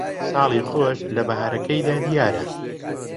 ساڵی خۆش لە بەھارەکەیدا دیارە